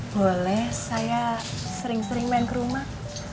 boleh saya sering sering main ke rumah